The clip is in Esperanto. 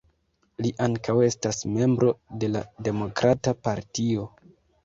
Li ankaŭ estas membro de la Demokrata Partio.